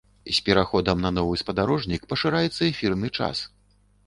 З пераходам на новы спадарожнік пашыраецца эфірны час.